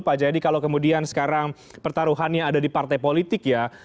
pak jayadi kalau kemudian sekarang pertaruhannya ada di partai politik ya